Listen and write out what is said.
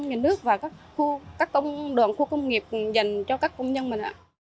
người nước và các đoàn khu công nghiệp dành cho các công nhân mình